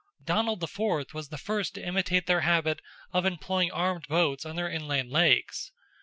Donald IV. was the first to imitate their habit of employing armed boats on the inland lakes.